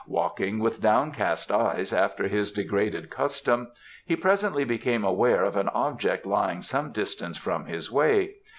Walking with downcast eyes, after his degraded custom, he presently became aware of an object lying some distance from his way.